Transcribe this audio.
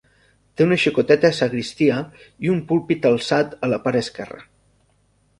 Té una xicoteta sagristia i un púlpit alçat a la part esquerra.